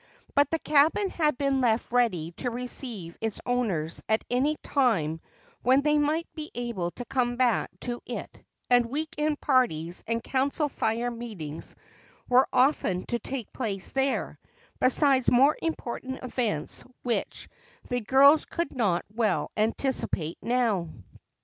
But the cabin had been left ready to receive its owners at any time when they might be able to come back to it and week end parties and Council Fire meetings were often to take place there, besides more important events which the girls could not well anticipate now.